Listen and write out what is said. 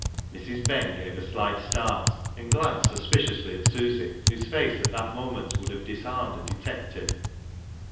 Mrs. Ben gave a slight start, and glanced suspiciously at Susy, whose face at that moment would have disarmed a detective.